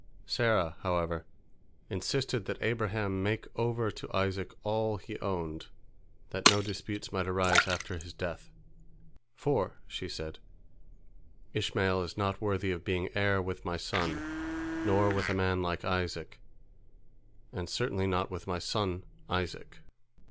Sarah, however, insisted that Abraham make over to Isaac all he owned, that no disputes might arise after his death, "for," she said, "Ishmael is not worthy of being heir with my son, nor with a man like Isaac, and certainly not with my son Isaac."